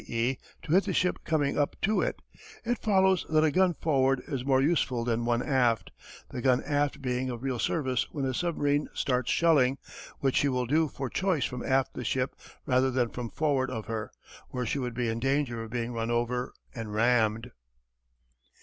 e._, to hit the ship coming up to it; it follows that a gun forward is more useful than one aft, the gun aft being of real service when a submarine starts shelling, which she will do for choice from aft the ship rather than from forward of her, where she would be in danger of being run over and rammed.